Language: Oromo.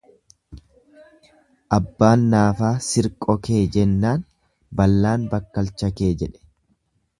Abbaan naafaan sirqo kee jennaan ballaan bakkalcha kee jedhe.